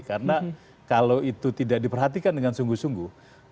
karena kalau itu tidak diperhatikan dengan sungguh sungguh